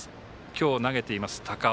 今日投げています、高尾